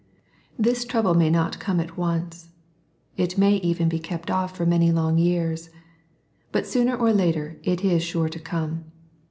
This trouble may not come at once. It may even be kept off for many long years. But sooner or later it is sure to come.